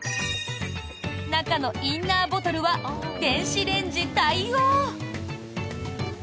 中のインナーボトルは電子レンジ対応。